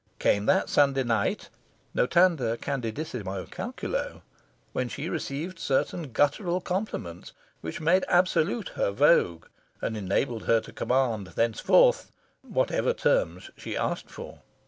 Came that Sunday night, notanda candidissimo calculo! when she received certain guttural compliments which made absolute her vogue and enabled her to command, thenceforth, whatever terms she asked for.